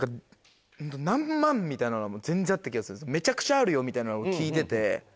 めちゃくちゃあるよみたいなのを聞いてて。